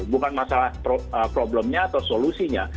bukan masalah problemnya atau solusinya